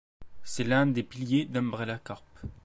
C'est un des piliers d'Umbrella Corp.